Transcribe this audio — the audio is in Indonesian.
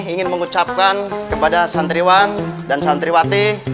ingin mengucapkan kepada santriwan dan santriwati